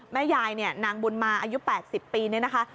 แม่ยายนางบุญมาอายุ๘๐ปีนี่นะคะ